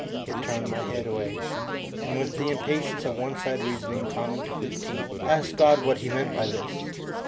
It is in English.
I turned my head away, and with the impatience and one sided reasoning common to fifteen, asked God what He meant by this.